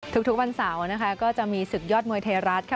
ทุกวันเสาร์นะคะก็จะมีศึกยอดมวยไทยรัฐค่ะ